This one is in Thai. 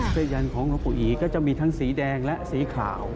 สัญญาณของหลวงพ่ออีก็จะมีทั้งสีแดงและสีขาว